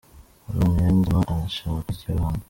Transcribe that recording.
Haruna Niyonzima arashakwa nikipe yo hanze